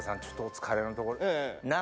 ちょっとお疲れのところ。